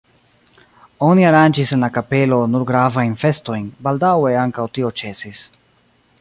Oni aranĝis en la kapelo nur gravajn festojn, baldaŭe ankaŭ tio ĉesis.